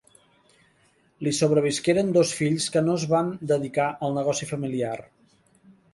Li sobrevisqueren dos fills que no es van dedicar al negoci familiar.